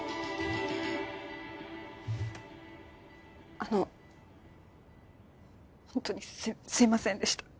あのほんとにすいませんでした